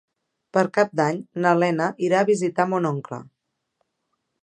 Per Cap d'Any na Lena irà a visitar mon oncle.